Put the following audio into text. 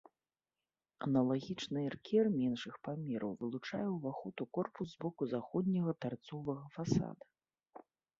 Аналагічны эркер меншых памераў вылучае ўваход у корпус з боку заходняга тарцовага фасада.